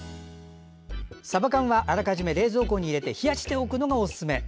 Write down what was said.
さば缶はあらかじめ冷蔵庫に入れて冷やしておくのがおすすめです。